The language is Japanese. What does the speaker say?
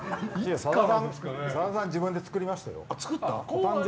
さださん自分で作りましたよ。